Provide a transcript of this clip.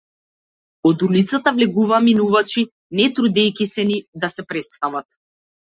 Од улицата влегуваа минувачи, не трудејќи се ни да се претстават.